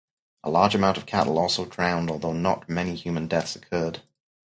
A large amount of cattle also drowned although not many human deaths occurred.